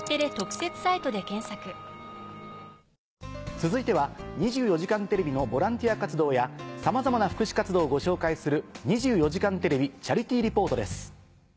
続いては『２４時間テレビ』のボランティア活動やさまざまな福祉活動をご紹介する。